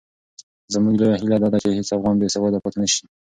زموږ لویه هیله دا ده چې هېڅ افغان بې سواده پاتې نه سي.